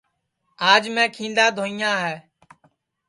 آج میں کھیندا دھوئیاں ہے